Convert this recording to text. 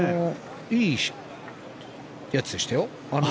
いいやつでしたよ。